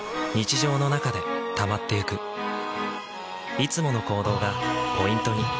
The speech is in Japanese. いつもの行動がポイントに。